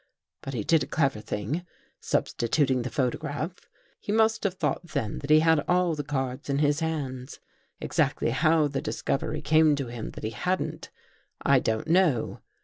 " But he did a clever thing, substituting the photo graph. He must have thought then that he had all the cards in his hands. Exactly how the discovery came to him that he hadn't, I don't know.